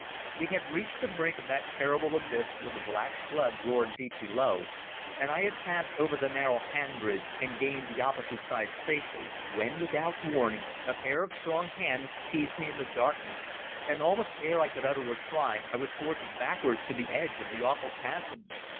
We had reached the brink of that terrible abyss where the black flood roared deep below, and I had passed over the narrow hand bridge and gained the opposite side safely, when, without warning, a pair of strong hands seized me in the darkness, and almost ere I could utter a cry I was forced backwards to the edge of the awful chasm.